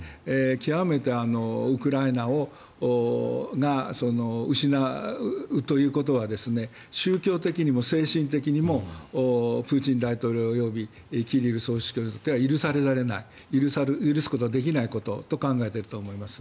極めてウクライナを失うということは宗教的にも精神的にもプーチン大統領及びキリル総主教にとっては許すことができないことと考えていると思います。